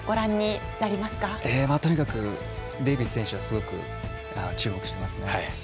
とにかく、デイビス選手はすごく注目してますね。